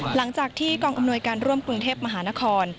หลังจากที่กองอำนวยการร่วมกรุงเทพมหานคร